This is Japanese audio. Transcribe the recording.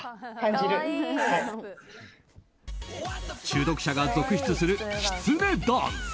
中毒者が続出するきつねダンス。